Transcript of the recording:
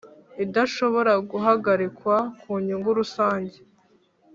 idashobora guhagarikwa kunyungu rusange